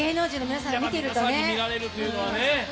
皆さんに見られるというのはね。